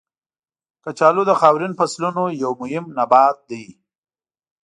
کچالو د خاورین فصلونو یو مهم نبات دی.